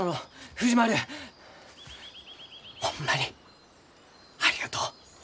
藤丸ホンマにありがとう。